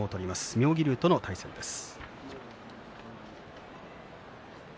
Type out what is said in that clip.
妙義龍との対戦です。